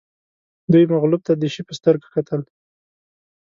دوی مغلوب ته د شي په سترګه کتل